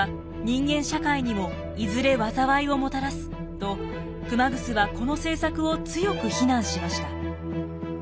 と熊楠はこの政策を強く非難しました。